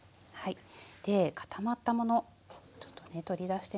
で固まったものちょっとね取り出してみますね。